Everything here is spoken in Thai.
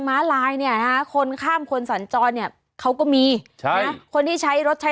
ม้าลายเนี่ยนะฮะคนข้ามคนสัญจรเนี่ยเขาก็มีใช่นะคนที่ใช้รถใช้